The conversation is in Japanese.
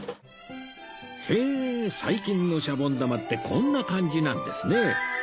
へえ最近のシャボン玉ってこんな感じなんですね